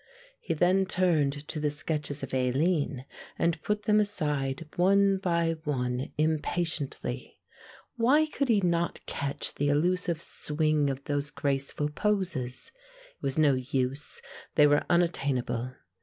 He then turned to the sketches of Aline and put them aside one by one impatiently; why could he not catch the elusive swing of those graceful poses? It was no use; they were unattainable.